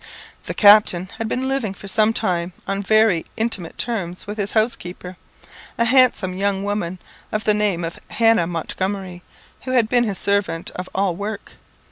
The captain had been living for some time on very intimate terms with his housekeeper, a handsome young woman of the name of Hannah Montgomery, who had been his servant of all work.